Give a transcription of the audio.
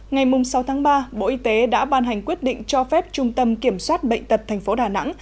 ngày sáu tháng ba bộ y tế đã ban hành quyết định cho phép trung tâm kiểm soát bệnh tật tp đà nẵng